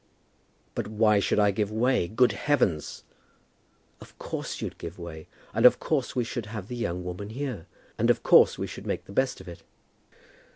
"But why should I give way? Good heavens !" "Of course you'd give way, and of course we should have the young woman here, and of course we should make the best of it."